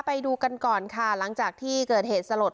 ไปดูกันก่อนค่ะหลังจากที่เกิดเหตุสลด